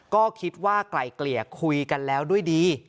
ก็คิดว่าไกลเกลี่ยคุยกันแล้วด้วยดี